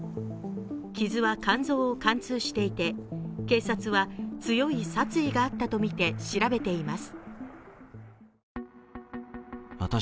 傷は肝臓を貫通していて、警察は強い殺意があったとみて調べています。